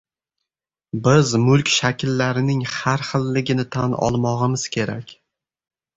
Biz mulk shakllarining har xilligini tan olmog‘imiz kerak.